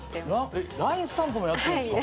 ＬＩＮＥスタンプもやってんすか？